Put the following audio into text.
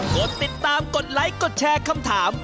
กดติดตามกดไลค์กดแชร์คำถาม